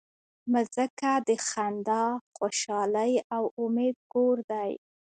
مځکه د خندا، خوشحالۍ او امید کور دی.